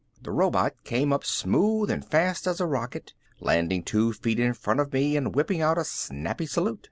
The robot came up smooth and fast as a rocket, landing two feet in front of me and whipping out a snappy salute.